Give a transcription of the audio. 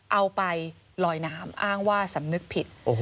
เอาไปลอยน้ำอ้างว่าสำนึกผิด